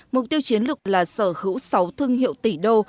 mục tiêu chiến lược là sở hữu sáu thương hiệu tỷ đô